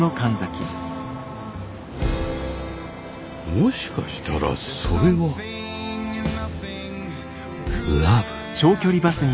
もしかしたらそれはラヴ！